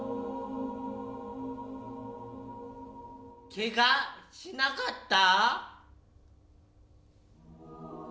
ケガしなかった？